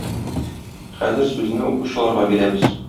Хәзер сүзне укучыларга бирәбез.